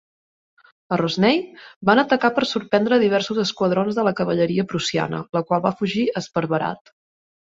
A Rosnay, van atacar per sorprendre diversos esquadrons de la cavalleria prussiana, la qual va fugir esparverat.